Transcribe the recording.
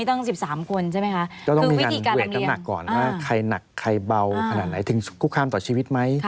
ต้องมีทางเวตน้ำหนักก่อนใครหนักใครเบาถึงสุขภาพถึงชีวิตไหม